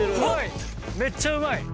めっちゃうまい！